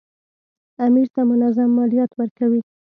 امیر ته منظم مالیات ورکوي.